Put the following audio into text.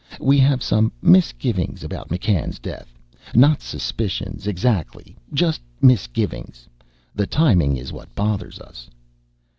"We have some misgivings about McCann's death. Not suspicions, exactly, just misgivings. The timing is what bothers us."